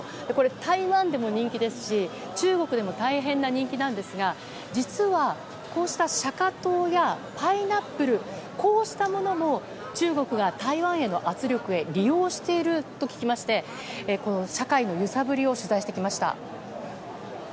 台湾でも人気ですし中国でも大変な人気なんですが実は、こうした釈迦頭やパイナップルこうしたものも中国が台湾への圧力へ利用していると聞きましてこの社会の揺さぶりを取材してきました。